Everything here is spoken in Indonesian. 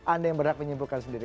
anda yang berhak menyimpulkan sendiri